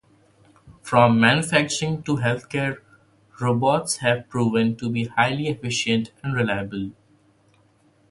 From manufacturing to healthcare, robots have proven to be highly efficient and reliable.